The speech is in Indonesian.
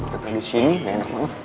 karena disini gak enak banget